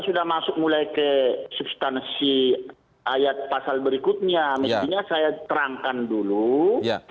sudah masuk mulai ke substansi ayat pasal berikutnya mestinya saya terangkan dulu